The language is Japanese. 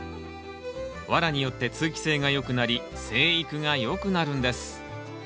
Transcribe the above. ワラによって通気性が良くなり生育が良くなるんです。